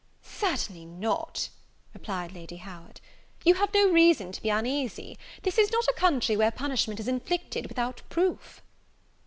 "Certainly not," replied Lady Howard; "you have no reason to be uneasy. This is not a country where punishment is inflicted without proof."